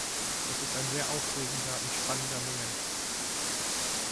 Das ist ein sehr aufregender und spannender Moment.